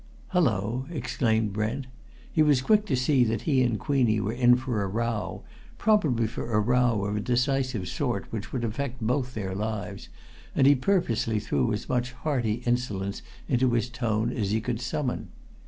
"Hello!" exclaimed Brent. He was quick to see that he and Queenie were in for a row, probably for a row of a decisive sort which would affect both their lives, and he purposely threw as much hearty insolence into his tone as he could summon.